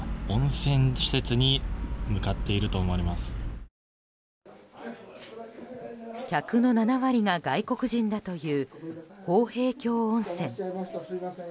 客の７割が外国人だという豊平峡温泉。